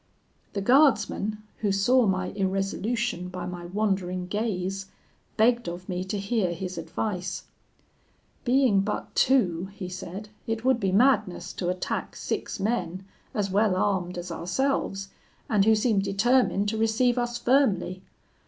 "The guardsman, who saw my irresolution by my wandering gaze, begged of me to hear his advice. 'Being but two,' he said, 'it would be madness to attack six men as well armed as ourselves, and who seem determined to receive us firmly.